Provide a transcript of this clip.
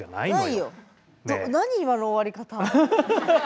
何今の終わり方。